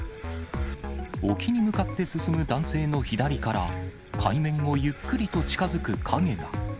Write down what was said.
沖に向かって進む男性の左から、海面をゆっくりと近づく影が。